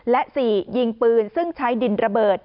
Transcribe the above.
และ๔ยิงปืนซึ่งใช้ดินระเบิด